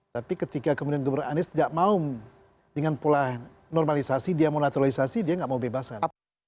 tapi ketika kemudian gubernur anies tidak mau dengan pola normalisasi dia mau naturalisasi dia nggak mau bebaskan